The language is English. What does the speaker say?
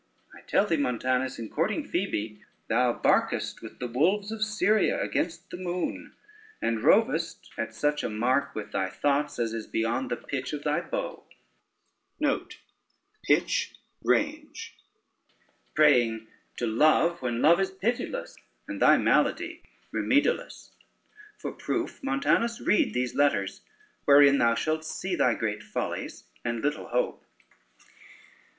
I tell thee, Montanus, in courting Phoebe, thou barkest with the wolves of Syria against the moon, and rovest at such a mark, with thy thoughts, as is beyond the pitch of thy bow, praying to Love, when Love is pitiless, and thy malady remediless. For proof, Montanus, read these letters, wherein thou shalt see thy great follies and little hope." [Footnote 1: falcon.] [Footnote 2: range.